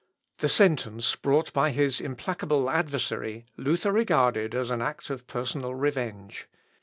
The sentence brought by his implacable adversary, Luther regarded as an act of personal revenge.